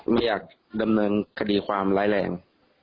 ไม่อยากดำเนินคดีความร้ายแรง